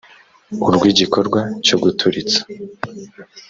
urw igikorwa cyo guturitsa